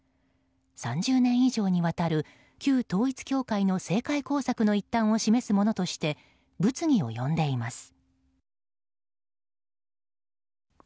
３０年以上にわたる旧統一教会の政界工作の一端を示すものとして物議を呼んでいます。